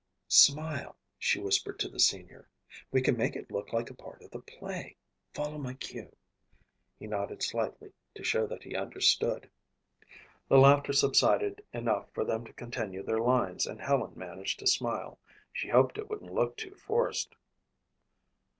"Smile," she whispered to the senior. "We can make it look like a part of the play. Follow my cue." He nodded slightly to show that he understood. The laughter subsided enough for them to continue their lines and Helen managed to smile. She hoped it wouldn't look too forced.